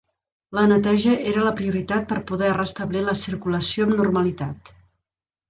La neteja era la prioritat per poder restablir la circulació amb normalitat.